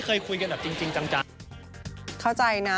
เข้าใจนะ